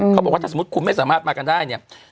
เขาบอกว่าถ้าสมมุติคุณไม่สามารถมากันได้เนี่ย